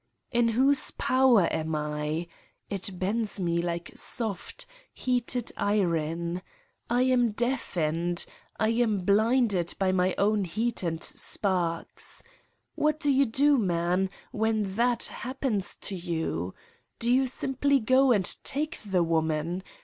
In whose power am I? It bends me like soft, heated iron. I am deafened, I am blinded by my own heat and sparks. What do you do, man, when ihat happens to you! Do you simply go and take the woman?